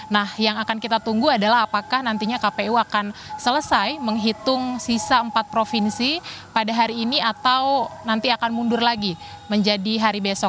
nah yang akan kita tunggu adalah apakah nantinya kpu akan selesai menghitung sisa empat provinsi pada hari ini atau nanti akan mundur lagi menjadi hari besok